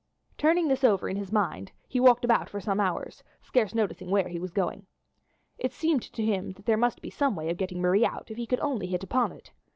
Turning this over in his mind, he walked about for some hours, scarce noticing where he was going. It seemed to him that there must be some way of getting Marie out if he could only hit upon it.